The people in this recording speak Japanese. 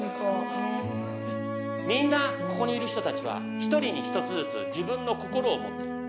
みんな、ここにいる人たちは、１人に１つずつ、自分の心を持っている。